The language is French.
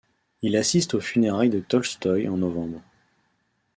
Il assiste aux funérailles de Tolstoï en novembre.